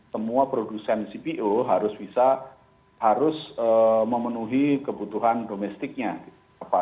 semua produsen cpo harus bisa harus memenuhi kebutuhan domestiknya gitu